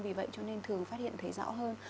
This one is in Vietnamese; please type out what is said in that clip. vì vậy cho nên thường phát hiện thấy rõ hơn